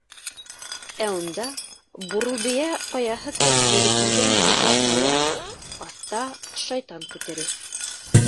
Ә унда - «Бурылбейә ҡаяһы» тип йөрөтөлгән текә ҡая, аҫта - Шайтан күтере.